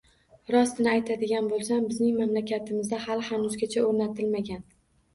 Rostini aytadigan boʻlsam, bizning mamlakatimizda hali-hanuzgacha oʻrnatilmagan.